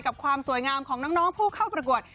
ความสวยงามของน้องผู้เข้าประกวด